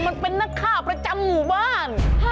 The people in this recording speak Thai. มันเป็นนักฆ่าประจำหมู่บ้าน